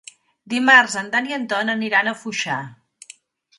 Dimarts en Dan i en Ton aniran a Foixà.